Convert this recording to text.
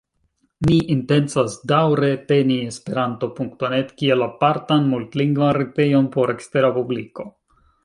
Ni intencas daŭre teni esperanto.net kiel apartan multlingvan retejon por ekstera publiko.